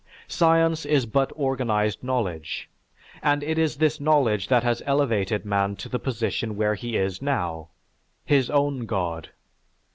Science is but organized knowledge, and it is this knowledge that has elevated man to the position where he is now, his own god.